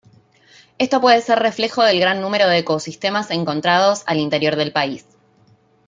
Esto puede ser reflejo del gran número de ecosistemas encontrados al interior del país.